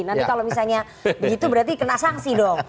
nanti kalau misalnya begitu berarti kena sanksi dong